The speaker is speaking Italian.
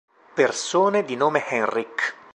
Persone di nome Henrik